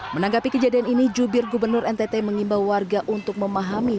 menanggapi kejadian ini jubir gubernur ntt mengimbau warga untuk memahami